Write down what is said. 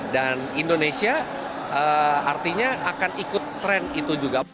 dan indonesia artinya akan ikut tren itu juga